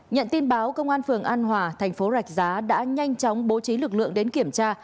nhận tin báo công an phường an hòa thành phố rạch giá đã nhanh chóng bố trí lực lượng đến kiểm tra